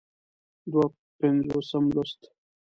دوه پينځوسم لوست